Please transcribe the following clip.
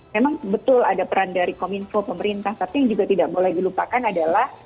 memang betul ada peran dari kominfo pemerintah tapi yang juga tidak boleh dilupakan adalah